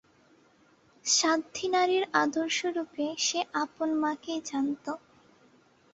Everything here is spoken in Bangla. সাধ্বী নারীর আদর্শরূপে সে আপন মাকেই জানত।